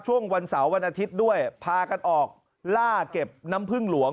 วันเสาร์วันอาทิตย์ด้วยพากันออกล่าเก็บน้ำพึ่งหลวง